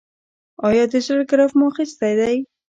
ایا د زړه ګراف مو اخیستی دی؟